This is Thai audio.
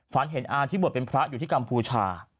ฝันเห็นอาที่บวชเป็นพระอยู่ที่กัมพูชา